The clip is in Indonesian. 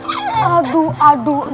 aduh aduh dan aduh ustadz musa